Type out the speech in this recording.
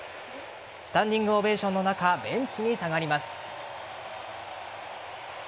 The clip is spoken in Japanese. スタンディングオベーションの中ベンチに下がります。